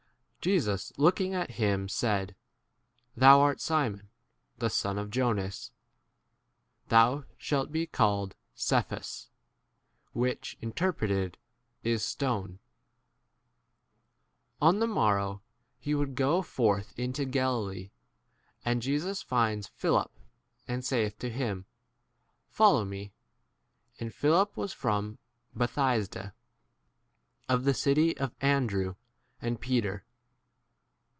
b Jesus looking at him said, Thou* art Simon, the son of Jonas; thou' shalt be called Cephas (which in terpreted is c stone d ). 43 On the morrow he e would go forth into Galilee, and Jesus finds Philip, and saith to him, Follow 44 me. And Philip was from Beth saida, of the city of Andrew and 45 Peter.